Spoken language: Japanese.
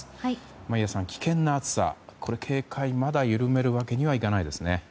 眞家さん、危険な暑さ警戒、まだ緩めるわけにはいかないですね。